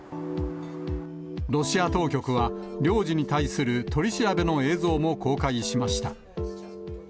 ロシア当局は、領事に対する取り調べの映像も公開しました。